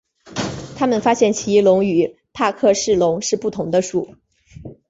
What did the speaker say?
他们发现奇异龙与帕克氏龙是不同的属。